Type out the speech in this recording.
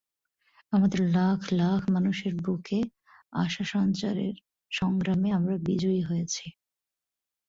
আমাদের লাখ লাখ মানুষের বুকে আশা সঞ্চারের সংগ্রামে আমরা বিজয়ী হয়েছি।